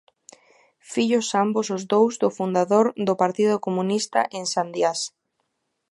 Fillos ambos os dous do fundador do Partido Comunista en Sandiás.